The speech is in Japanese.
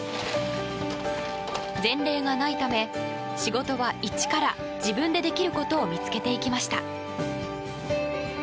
前例がないため、仕事は一から自分でできることを見つけていきました。